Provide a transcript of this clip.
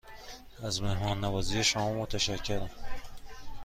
از مهمان نوازی شما متشکرم.